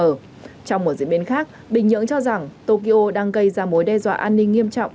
trong một diễn biến khác bình nhưỡng cho rằng tokyo đang gây ra mối đe dọa an ninh nghiêm trọng